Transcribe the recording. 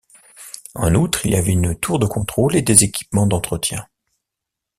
En outre, il y avait une tour de contrôle et des équipements d'entretien.